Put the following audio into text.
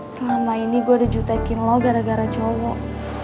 selama ini gue udah jutekin lo gara gara cowok